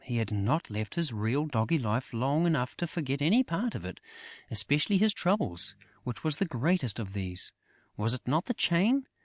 He had not left his real, doggy life long enough to forget any part of it, especially his troubles. Which was the greatest of these? Was it not the chain?